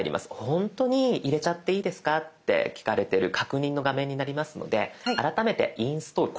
本当に入れちゃっていいですかって聞かれてる確認の画面になりますので改めて「インストール」。